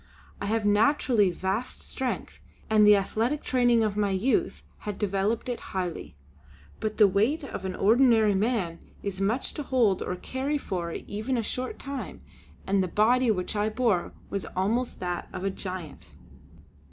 I have naturally vast strength and the athletic training of my youth had developed it highly. But the weight of an ordinary man is much to hold or carry for even a short time, and the body which I bore was almost that of a giant.